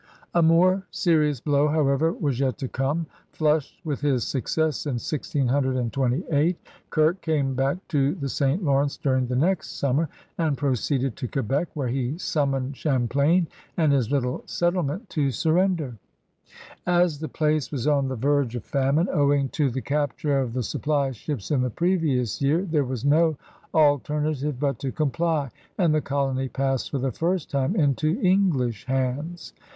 A more serious blow, however, was yet to come. Flushed with his success in 1628, Kirke came back to the St. Lawrence during the nert summer and proceeded to Quebec, where he summoned Cham plain and his little settlement to surrender. As 52 CRUSADERS OF NEW FRANCE the place was on the verge of famine owmg to the capture of the supply ships in the previous year, there was no alternative but to comply, and the colony passed for the first time into English hands.